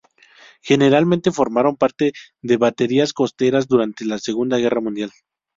Generalmente formaron parte de baterías costeras durante la Segunda Guerra Mundial.